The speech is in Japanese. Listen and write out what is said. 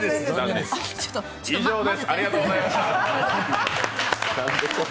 以上です、ありがとうございました。